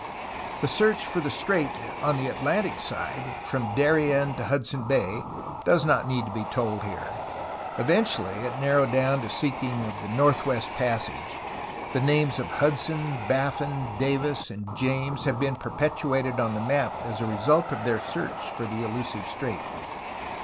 The search for the strait on the Atlantic side, from Darien to Hudson Bay, does not need to be told here. Even tually it narrowed down to a seeking of the "Northwest Passage. *' The names of Hudson, Baffin, Davis, and James have been perpetuated on the map as a result of their search for the elusive strait.